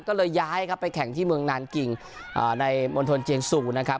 ก็เลยย้ายครับไปแข่งที่เมืองนานกิ่งในมณฑลเจียงซูนะครับ